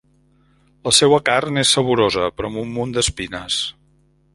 La seua carn és saborosa però amb un munt d'espines.